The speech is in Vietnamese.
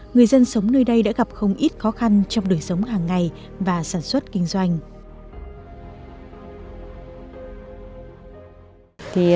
người dân sống nơi đây đã gặp không ít khó khăn trong đời sống hàng ngày và sản xuất kinh doanh